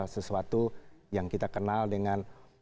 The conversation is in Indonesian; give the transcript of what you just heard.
sesuatu yang kita kenal dengan